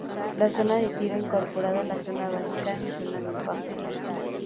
La zona de tiro incorpora la "zona batida" o zona de impacto.